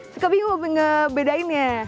suka bingung ngebedainnya